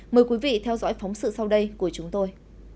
mời quý vị theo dõi phóng sự sau đây của chúng tôi